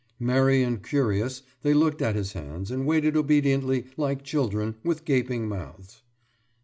« Merry and curious, they looked at his hands, and waited obediently, like children, with gaping mouths.